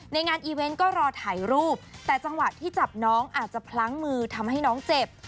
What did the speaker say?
งานอีเวนต์ก็รอถ่ายรูปแต่จังหวะที่จับน้องอาจจะพลั้งมือทำให้น้องเจ็บ